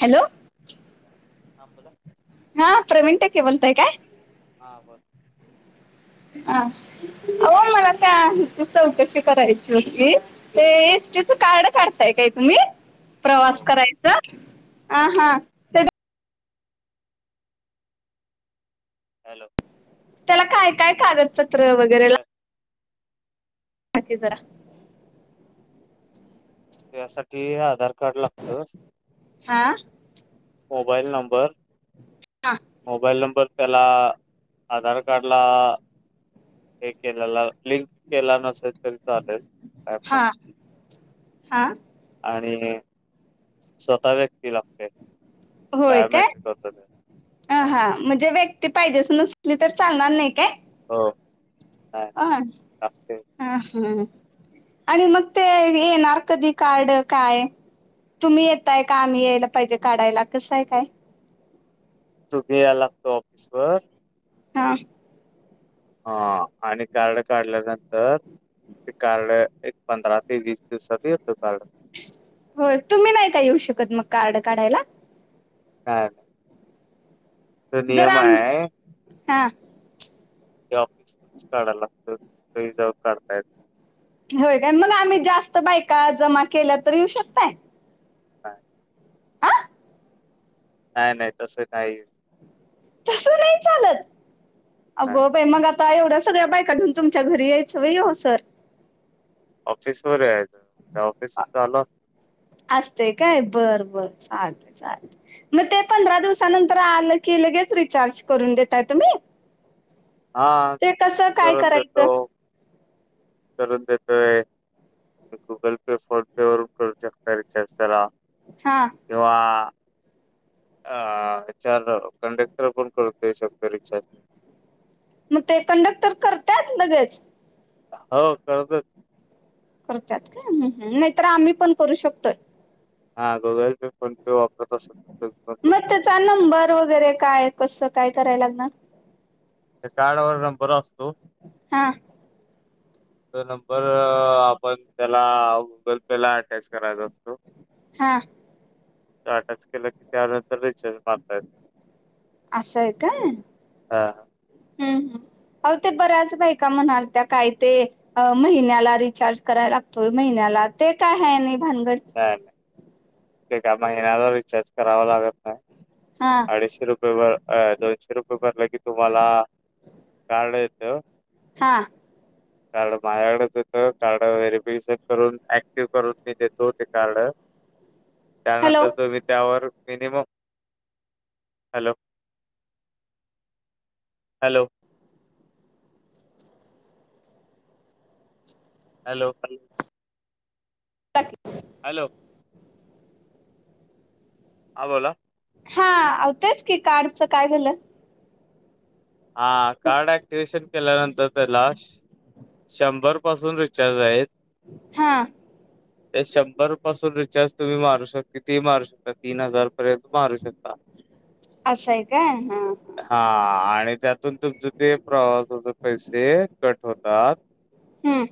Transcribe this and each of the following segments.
Hello हा बोला हा प्रवीण टक्के बोलतय काय हा आ हा अ मला त्या चौकशी करायची होती ते एसटीच कार्ड काढताय काय तुम्ही प्रवास हो का? करायचा ह हो ह हो हॅलो त्याला काय काय कागदपत्र वगैरे. ह [inaudible] हा की जरा त्यासाठी आधार कार्ड लागत हा मोबाईल नंबर हा मोबाईल नंबर त्याला आधार कार्डला हे केले लिंक केला नसेल तरी चालेल. काय प्रॉब्लेम हां हा. आणि स्वतः व्यक्ती लागते. होय काय. बायोमेट्रिक होत ते ह हा म्हणजे व्यक्ती पाहिजे अस नसली तर चालणार नाही काय हो नाही ह लागते हा हम. आणि मग ते येणार कधी कार्ड काय तुम्ही यताय का आम्ही यायला पाहिजे काढायला कसं आहे काय. तू घिय लागतो ऑफिस वर. हा हा आणि कार्ड काढल्यानंतर. ते कार्ड एक पंधरा ते वीस दिवसाात येतो कार्ड हो तुम्ही नाही का येऊ शकत मग कार्ड काढायला हा. जरा आम आहे हा. हे ऑफिसच काढायला लागत ते याचा वर काढतायत. होय काय मग आम्ही जास्त बायका जमा केल्या तर येऊ शकताय. काय हा नाही नाही तसं काही. तस नाही चालत अग नाही बाई मग आता. ता एवढ्या सगळ्या बायका घेऊ तुमच्या घरी यायचं व हो सर ऑफिसवरयच ऑफिस चालू. असते काय बर बर चालते चालते. मग ते पंधरा दिवसानंतर आलं की लगेच रिचार्ज करून देताय तुम्ही. हा ते कस काय करून करायचं देतो करून देतोय गुगल पे फोन पे वरून करू शकता रिचार्ज त्याला हा किंवा आ. ह चार कंडक्टर पण करतेो शकतो रिक्षा. मग ते कंडक्टर करतात लगेच. हो करतात. करतात काय,, नाहीतर आम्ही पण करू शकतोय. हा गुगल पे, फोन पे वापरत असेल, तर करू शकतो. चा नंबर वगैरे काय, कस काय कराय लागणार. त्या कार्डवर नंबर असतो. हां, तो नंबर, आपण त्याला गुगल पे ला अटॅच करायचा असतो. हां, टाटाच केलाऽ त्यानंतर रिचार मारता ऐतय,, असं आहे काय हम्म अं,, हम्म हम् काय ते बऱ्याच बाई का म्हणाल त्या काय ते अ महिन्याला रिचार्ज करायला लागतोय महिन्याला ते काय आहे नाही भानगड. हां ते काय महिन्याला रिचार्ज करावा लागत नाही हा अडीचशे रुपये भर, अ दोनशे रुपये भरलं की तुम्हाला,, कार्ड येतंय ओऽ हां, कार्ड माझ्याकडेच होतं, कार्ड व्हेरिफिकेशन करून, ऍक्टिव करून मी देतो ते कार्डऽ ह, त्यानंतर तुम्ही त्यावर मिनिममऽ हॅलो, हॅलो हॅलो, ह हॅलो, हां बोला,, हा,, आव तेच की,, कार्डच काय झालं? हा, कार्ड ऍक्टिव्हशन केल्यानंतर त्याला, शंभर पासून रिचार्ज आहेत. हां ते शंभर पासून रिचार्ज तुम्ही मारू शकता. कितीही मारू शकता,, तीन हजार पर्यंत मारू शकता. असं आहे काय हा हा. हाऽ आणिऽ त्यातून तुमच ते प्रवासाचे पैसे कट होतात. हम्म,,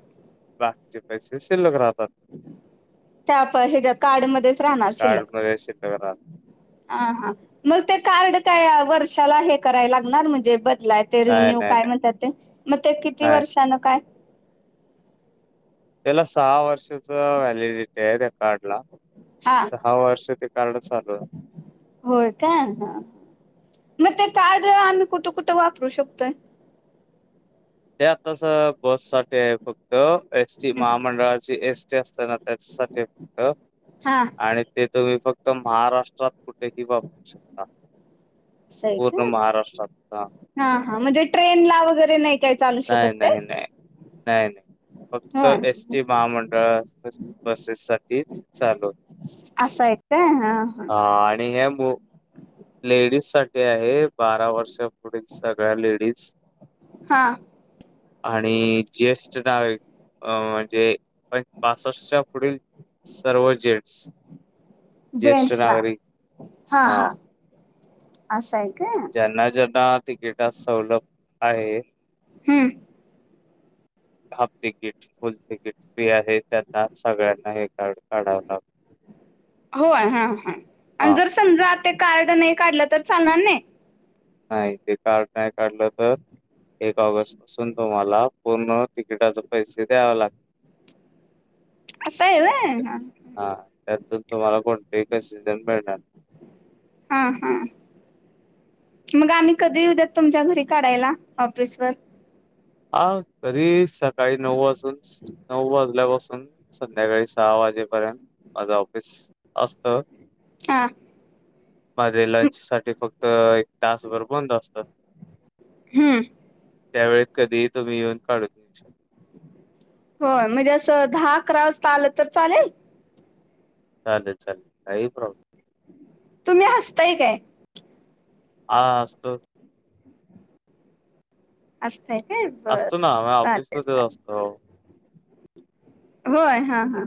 बाकीचे पैसे शिल्लक राहतात. त्या आप हच्या कार्ड मध्येच राहणार शिल्लक. कार्डमध्ये शिल्लक राहत ह, हां, मग ते कार्ड काय? वर्षाला हे कराय लागणार म्हणजे बदलातऽ ते नाही, रिन्यू नाही, काय नाही, म्हणतात ते,, मग ते किती नाही. वर्षान काय? त्याला सहा वर्षाचा व्हॅलिडिटी आहे,, त्या कार्ड ला. हा सहा वर्ष ते कारड चालूऽ होय काय,, मग ते कार्ड आम्ही कुठे, कुठे वापरू शकतोय. ते आताच,, बस साठी आहे फक्त, एस टी महामंडळाची एस टी असतानाऽ त्याचसाठी आहे फक्त. हा आणि ते तुम्ही फक्त महाराष्ट्रात कुठेही वापरू शकता. असं आहे पूर्ण का महाराष्ट्रात. हां. हा, हा म्हणजे ट्रेन ला वगैरे नाहीऽ नाही, नाही, नाही, नाही, नाही. फक्त होय एस टी महामंडळ बसेस साठी चालू. असय काय, हा, हा. अ, आणि हे लेडीज साठी आहे बारा वर्ष पुढील सगळ्या लेडीज. हा आणि ज्येष्ठ नागिक म्हणजे पण पासष्टच्या पुढील सर्व जेन्टस ज्येष्ठ जेंट्सला नागरिक हा. असं आहे का. त्यांना ज्यांना तिकीटात सवलत आहे. हम्म half ticket full ticket fee आहे त्यांना सगळ्यांना हे काढावं लागत. होय हा ह आणि हा जर समजा ते कार्ड नाही काढलं तर चालणार नाही? नाही ते कार्ड नाही काढलं तर. एक ऑगस्ट पासून तुम्हाला पूर्ण तिकिटाचे पैसे द्यावे लागतऽ असं आह वयऽ हां,, त्यातून तुम्हाला कोणते एक सीजन मिळणार. हा हा, मग आम्ही कधी येऊद्यात तुमच्या घरी काढायला,, ऑफिसवररऽ हा,, कधीही सकाळी नऊ वाजून, नऊ वाजल्यापासूनऽ संध्याकाळी सहा वाजेपर्यंत माझं ऑफिस असत. हां मध्ये लंच साठी फक्त एक तासभर बंद असत. हम्म त्यावेळेस कधी तुम्ही येऊन काढू शकता होय म्हणजे असं दहा अकरा वाजता आलं तर चालेल. चालेल चालेल काही प्रॉब्लेम तुम्ही असताय काय? हा हसतो. असतय काय बर असतो ना आम्ही चालेल ऑफिसमध्येच चालेल. असतो. होय हा हा.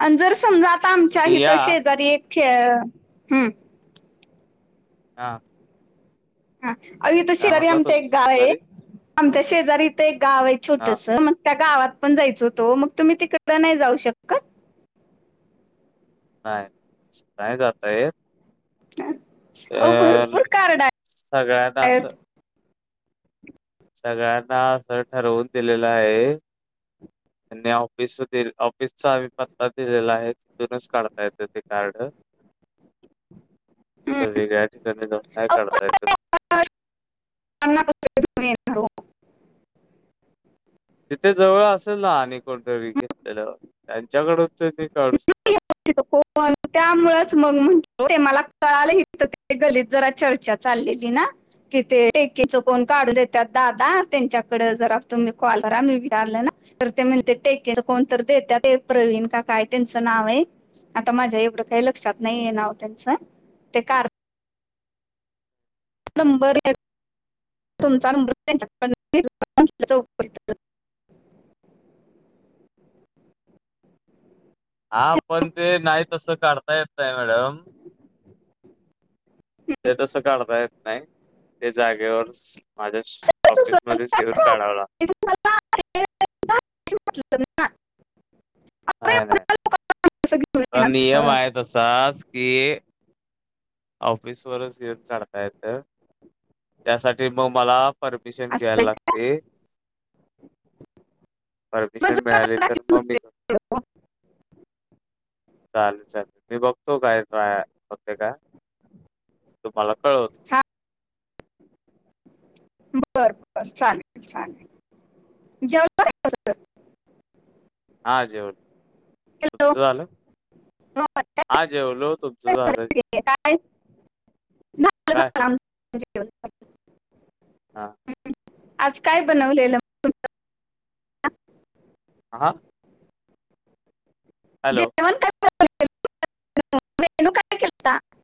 आणि जर समजा आता आमच्या तुम्ही या हथं शेजारी एक खेळ हम्. हा हा अ इथं काय शेजारी म्हणला आमच एक तुमची गाव आहे शेजारी आमच्या शेजारी इथं एक गाव आहे हा छोटस त्या गावात पण जायच होतो मग तुम्ही तिकड नाही जाऊ शकत. नाही नाही जाता येत. अहो भरपूर अ कार्ड सगळ्यांना असं आहेत सगळ्यांना असं ठरवून दिलेलं आहे. त्यांनी ऑफिस ऑफिसचा आम्ही पत्ता दिलेला आहे. तिथून काढता येत ते कार्ड. स या ठिकाणी काय काढता येत. ना [inaudible] बो [inaudible] तिथे जवळ असेल ना आणि कोणतरी घेतलेलं त्यांच्याकडूनच त काढू शकतात. ण त्यामुळेच मग म्हतो ते मला कळालाही ते गल्लीत जरा चर्चेत चाललेली ना. कि ते टेकीच कोण काढू देतात दादा त्यांच्याकडे जरा तुम्ही कॉल करा मी विचारलं ना. तर ते म्हणते टेक्या कोणत देतात ते प्रवीण का काय. त्यांच नाव आहे आता माझ्या एवढ काही लक्षात नाहीय नाव त्यांच ते. बर [inaudible] हा पण ते नाही तसं काढता येत नाही मॅडम. ते तसं काढता येत नाही ते जागेवर माझ्या सर सर ऑफिसमध्ये काय येऊन काढावल लागतं. [inaudible] नाही नाही. [inaudible] दसास की ऑफिस वरच येऊन काढता येत त्यासाठी मग मला परमिशन असं घ्यायला आहे का? लागते मग परमिशन जरा मिळाले तर टाकली मगमी होते चालेल चालेल मी बघतो काय ट्राय होते का तुम्हाला कळवत हा बर बर. छान छान [unintelligible] हा जेवलो. हॅलो तुमच झालं? काय हा झालं जेवलो हो - [unintelligible] [unintelligible] काय हा आज काय बनवलेलं? तुमचं? हां हां हॅलो [unintelligible]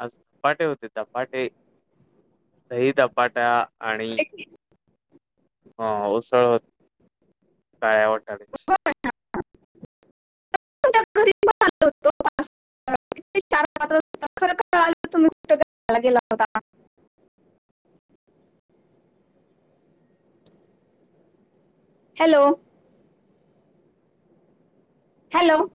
आज चपाटे होते तपाटे दही तपाटा आणि हा उसळ होती काळ्या वाटाळ्याची अच्छा खरंर आलं तु्ला गेला होता हॅलो हॅलो